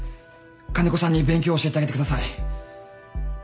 金子さんに勉強を教えてあげてください。